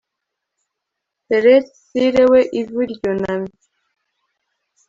Thereat sire we ivi ryunamye